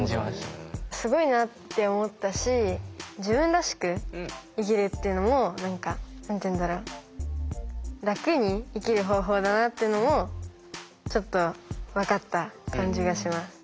すごいなって思ったし自分らしく生きるっていうのも何て言うんだろう楽に生きる方法だなっていうのもちょっと分かった感じがします。